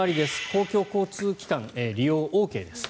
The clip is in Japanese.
公共交通機関、利用ＯＫです。